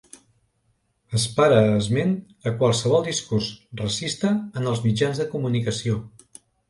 Es para esment a qualsevol discurs racista en els mitjans de comunicació.